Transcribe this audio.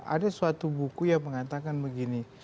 ada suatu buku yang mengatakan begini